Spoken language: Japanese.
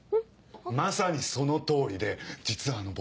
まさにその通りで実は僕。